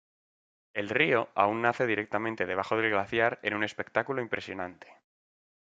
El río aún nace directamente debajo del glaciar en un espectáculo impresionante.